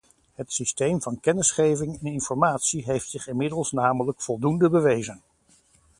Het systeem van kennisgeving en informatie heeft zich inmiddels namelijk voldoende bewezen.